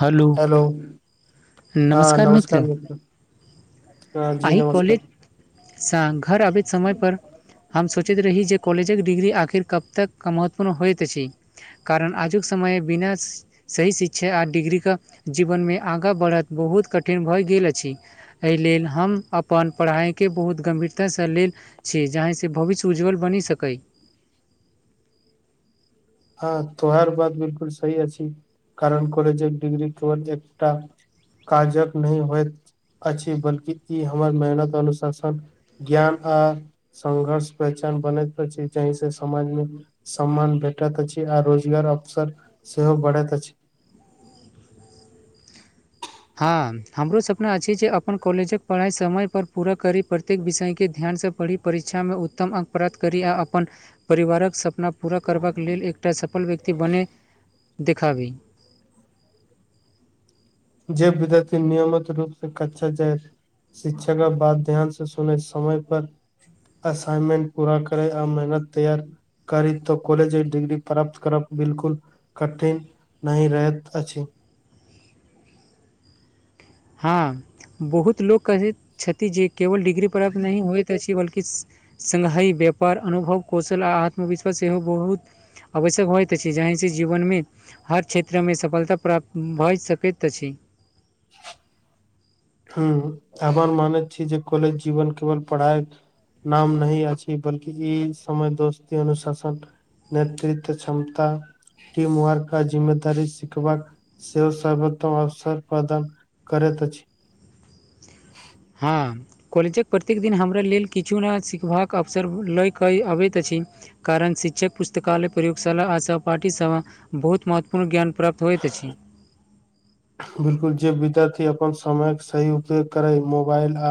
हलो hello हँ नमस्कार मित्र हँ जी नमस्कार। श घर अबैत समय पर हम सोचैत रही जे। कॉलेजके डिग्री आखिर कब तक महत्वपूर्ण होइत अछि। कारण आजुक समय बिना सही शिक्षा आ डिग्रीे क जीवनमे आग। आगाँ बढ़त बहुत कठिन भयऽ गेल अछि। एहि लेल हम अपन पढ़ाइके बहुत गम्भीरतासँ लेल। छी जहहिसँ भविष्य उज्जवल बनि सकै। हँ तोहार बात बिलकुल सही अछी कारण कॉलेजक डीग्री केवल एकटा। काजक नै होए। अछि बल्कि ई हमर मेहनत अनुशासन ज्ञान आ। संघर्ष पहचान बनैत छै जहि से समाज मे सम्मान भे भेट अछी आ रोजगार अवसर सेहो बढ़ैत अछि। हँ हमरो सपना अछि जे अपन कॉलेज कऽ पढ़ाइ समय पर पूरा करी प्रत्येक विषय केँ ध्यानसँ पढ़ी। परीक्षा में उत्तम अंक प्राप्त करी आ अपन परिवारक सपना पर। पूरा करबाक लेल एकटा सफल व्यक्ति बने [inaudible] देखाबी। जे विद्यथि नियमित रूप से कछा जाइ। शिक्षा क बात ध्यान से सुने समय पर असाइनमेंट पूरा करै आ मेहनत तैयार करी तो कॉलेज डिग्री प्राप्त करब बिल्कुल कठिन। नै रहैत अछि हँ बहुत लोक कहैत छथि जे केवल डिग्री प्राप्त नै होइत अछि बल्कि। संधाई व्यापार अनुभव कौशल आ आत्मविश्वास सेहो बहुत। आवश्यक होइत छै जहिसँ जीवनमे। हर क्षेत्रमे सफलता प्राप्त भऽ सकैत अछि। [unintelligible] मानै छी जे कॉलेज जीवन केवल पढ़ाइ। नाम नहीं अछि बल्कि ई समय दोस्ती अनुशासन। नेतृत्व क्षमता [inaudible] टीम वर्क का जिम्मेदारी सिखबाक। सेहो सर्वोत्तम अवसर प्रदान करैत अछि। हँ। कॉलेज कऽ प्रत्येक दिन हमरा लेल किछु नया सिखबाक अवसर लय कै अबैत अछि। कारण शिक्षक पुस्तकालय प्रयोगशाला आ सहपाठी स बहुत महत्वपूर्ण ज्ञान प्राप्त होइत अछि। बिल्कुल जे विद्यार्थी अपन समय कऽ सही उपयोग करै मोबाइल आ।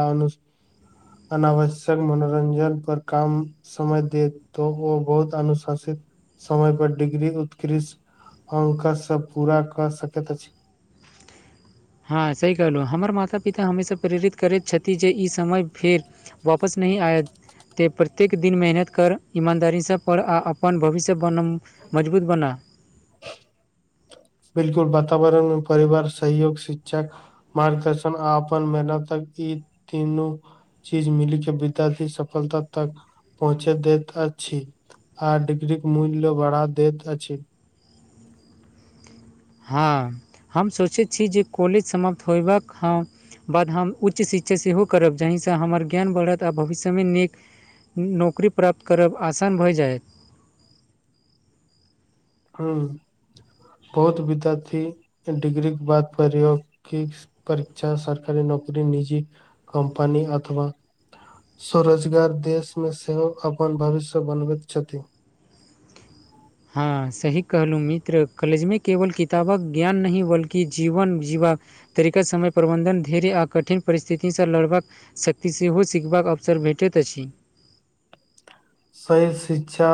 अनावश्यक मनोरंजन पर कम। समय दे तऽ ओ बहुत अनुशासित समय पर डिग्री उत्कृष अंक सब पूरा कऽ सकैत अछि। हँ सही कहलौ हमर माता पिता हमेशा प्रेरित करैत छथि जे ई समय फेर। वापस नहीं आयत ते प्रत्येक दिन मेहनत कर ईमानदारीसँ पढ़ आ अपन भविष्य बनम मजबूत बना। [unintelligible] बिल्कुल वातावरण में परिवार सहयोग शिक्षक। मार्गदर्शन आ अपन मेहनतक ई तीनू। चीज मिल केँ विद्यार्थी सफलता तक पहुँचे देैत अछि। आर डिग्री मूल्य बढ़ा दैत अछि। हँ हम सोचैत छी जे कॉलेज समाप्त होयबाक हम बाद हम उच्च शिक्षा सेहो करब जाहिसँ हमर ज्ञान बढ़त आ भविष्यमे नीक। नौकरी प्राप्त करब आसान भऽ जायत। हु [inaudible] बहुत विद्यार्थी डिग्री कऽ बाद प्रयोगिक परीक्षा सरकारी नौकरी निजी कम्पनी अथवा। स्वरोजगार देश में सेहो अपन भविष्य बनबैत छथि। हँ सही कहलौ मित्र कॉलेज में केवल किताब कऽ ज्ञान नहीं बल्कि जीवन जीवा। तरिका समय प्रबन्धन धैर्य आ कठिन परिस्थितिसँ लड़बाक। शक्ति सेहो सिखबा कऽ अवसर भेटैत अछि। सही शिक्षा।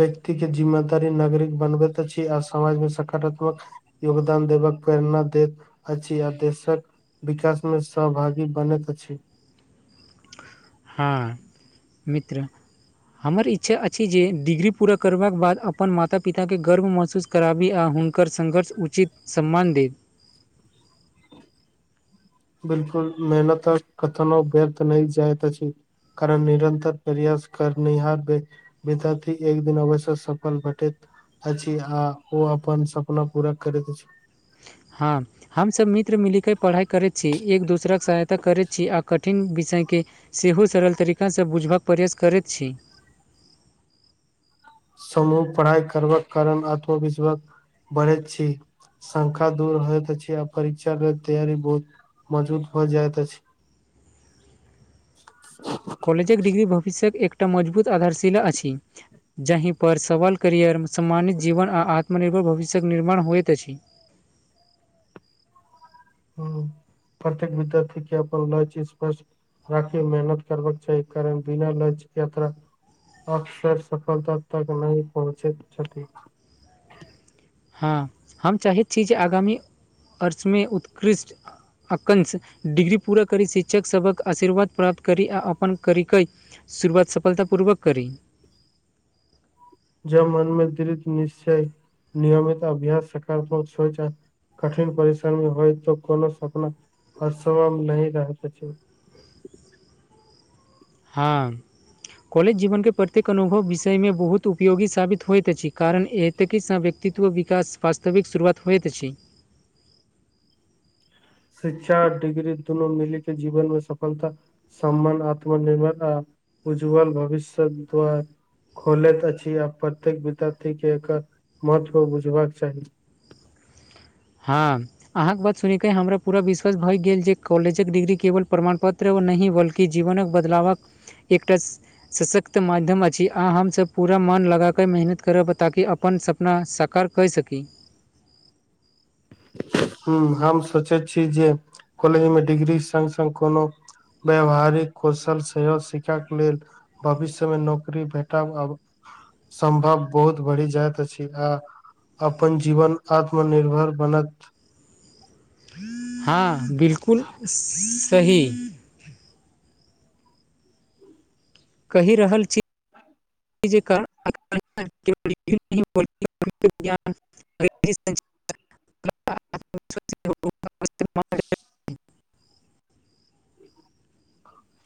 व्यक्ति केँ जिम्मेदारी नागरिक बनबैत अछि आ समाजमे सकारात्मक योगदान देबबाक प्रेरणा दैत अछि आ देश कऽ विकास म सहभागी बनैत अछि। हँ [inaudible] मित्र। हमर इच्छा अछि जे डिग्री पूरा करबाक बाद अपन माता पिताके गर्व महसूस। कराबी आ हुनकर संघर्ष उचित सम्मान देत बिल्कुल मेहनत कथनो व्यर्थ नै जायत अछि कारण निरन्तर प्रयास करनिहार विद्यार्थी एक दिन आवश्यक सफल भेटैत अछि आ ओ अपन सपना पूरा करैत अछि हँ हम सभ मित्र मिल कऽ पढ़ाई करैत छी एक दोसरे सहायता करैत छी आ क ठिन विषय केँ सेहो सरल तरीकासँ बुझ कऽ प्रयास करैत छी समूह पढ़ाइ करबाक कारण आत्मविश्वास बढ़ैत छी संखा दूर होइत अछि आ परीक्षा केँ तैयारी बहुत मजबूत हो जाइत अछि कॉलेज डिग्री भविष्यत एकटा मजबूत आधारशिला अछि जाहिपर सबल करियर सम्मानित जीवन आ आत्मनिर्भर भविष्य कऽ निर्माण होइत अछि ह प्रत्येक विद्यार्थी कऽ अपन लक्ष्य स्पष्ट राखे मेहनत करबाक चाही कारण बिना लक्ष्य तऽ अकसर सफलता तक नै पहुँचैत छथि हँ हम चाहैत छी जे आगामी वर्षमे उत्कृष्ट अकाश डिग्री पूरा करी शिक्षक सभ कऽ आशीर्वाद प्राप्त करी आ अपन करी कै शुरुआत सफलता पूर्वक करी जब मनमे दृित निश्चय नियमित अभ्यास सकारात्मक सोचा आ कठिन परिश्रमी होइ तऽ कोनो सपना आसन नै रहैत अछि हँ कॉलेज जीवन केँ प्रत्येक अनुभव विषयमे बहुत उपयोगी साबित होइत अछि कारण ए तिथि सँ व्यक्तित्व विकास वास्तविक शुरुआत होइत अछि शिक्षा डिग्री दुनू मिल केँ जीवन में सफलता सम्मान आत्मनिर्भर आ [inaudible] उज्ज्वल भविष्यत द्वार खोलैत अछि आ प्रत्येक विद्यार्थी केँ एकर महत्व बुझबाक चाही हँ अहाँ कऽ बात सुनि कऽ हमरा पूरा विश्वास भऽ गेल जे कॉलेज कऽ डिग्री केवल प्रमाणपत्र नही ब ल्कि जीवनक बदलावक एकटा सशक्त माध्यम अछि अह हम सब पूरा मन लगा कऽ मेहनत करब ताकि अपन सभ सपना साकर कई सकी हु हम सोचै छी जे कॉलेज मे डिग्री संग संग कोनो व्यावहारिक कौशल सेहो शिखा कऽ लेल भविष्य में नौकरी भेटाब आब सम्भव बहुत बढ़ि जाइत अछि छै आ अपन जीवन आत्मनिर्भर बनत हँ बिल्कुल सही कहि रहल छी [unintelligible] [unintelligible]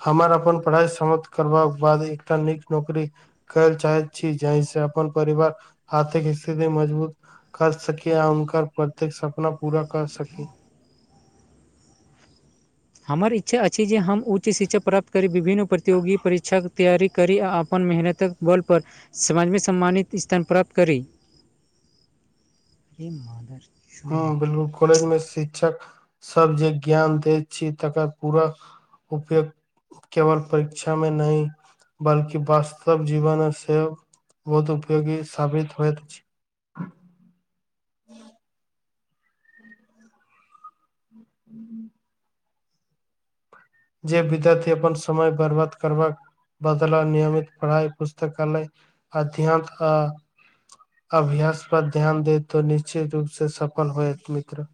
हमर अपन पढ़ाइ समाप्त करबा कऽ बाद एकटा नीक नौकरी कहैल चाहैत छी जहिसँ अपन परिवार आर्थिक स्थिति मजबूत कर सकी आ उनकर प्रत्येक सपना पूरा कर सकी हमर इच्छा अछि जे हम उच्च शिक्षा प्राप्त करी विभिन्न प्रतियोगी परीक्षाक तैयारी करी आ अपन मेहनतके बल पर समाजमे सम्मानित स्थान प्राप्त करी [inaudible] हँ बिलकुल कॉलेज मे शिक्षक सब जे ज्ञान दैत छी तकर पूरा उपयोग केवल परीक्षा मे नहि बल्कि वास्तव जीवन सेहो बहुत उपयोगी साबित होइत अछि [inaudible] जे विद्यार्थी अपन समय बर्बाद करबाक बदला नियमित पढ़ाइ पुस्तकालय अध्यंत आ अभ्यास पर ध्यान देत तो निश्चित रूप से सफल होयत मित्र